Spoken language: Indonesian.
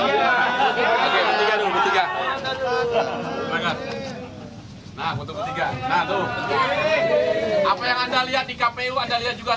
oke bertiga dulu bertiga